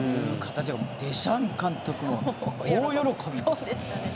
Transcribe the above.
デシャン監督も大喜びです。